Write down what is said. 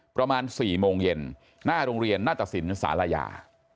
ประมาณ๔โมงเย็นหน้าโรงเรียนนาตสินศาลายา